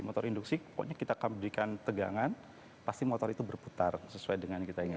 motor induksi pokoknya kita akan berikan tegangan pasti motor itu berputar sesuai dengan yang kita ingin